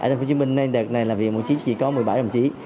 ở tp hcm nên đợt này là bệnh viện chín mươi chín chỉ có một mươi bảy đồng chí